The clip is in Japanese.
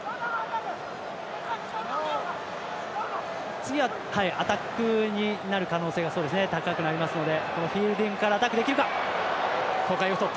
次はアタックになる可能性が高くなりますので。